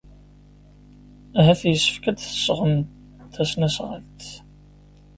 Ahat yessefk ad d-tesɣem tasnasɣalt.